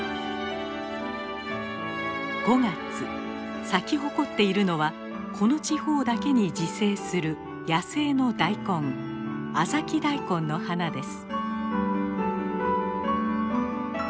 ５月咲き誇っているのはこの地方だけに自生する野生のダイコンアザキダイコンの花です。